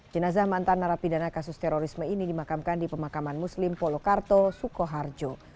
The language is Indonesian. jenazah mantan narapidana kasus terorisme ini dimakamkan di pemakaman muslim polokarto sukoharjo